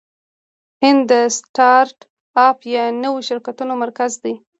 هند د سټارټ اپ یا نویو شرکتونو مرکز دی.